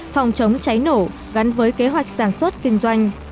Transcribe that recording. phòng chống cháy nổ gắn với kế hoạch sản xuất kinh doanh